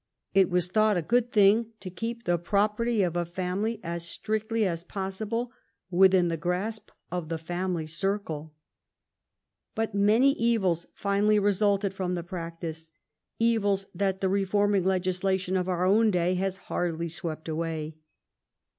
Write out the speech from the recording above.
It was thought a good thing to keep the property of a family as strictly as was possible within the grasp of the family circle. But many evils finally resulted from the practice, evils that the reforming legislation of our own day has hardly swept away.